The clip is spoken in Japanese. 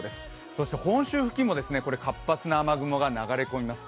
そして本州付近も活発な雨雲が流れ込みます。